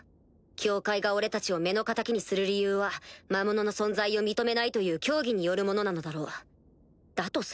教会が俺たちを目の敵にする理由は魔物の存在を認めないという教義によるものなのだろう。